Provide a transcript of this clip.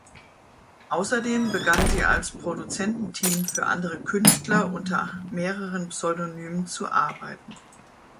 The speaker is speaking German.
Außerdem begannen sie als Produzententeam für andere Künstler und unter mehreren Pseudonymen zu arbeiten.